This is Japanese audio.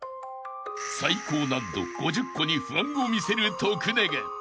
［最高難度５０個に不安を見せる徳永］